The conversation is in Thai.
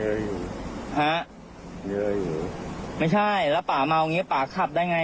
มีอะไรอยู่ฮะมีอะไรอยู่ไม่ใช่แล้วป่าเมาอย่างงี้ป่าขับได้ไงอ่ะ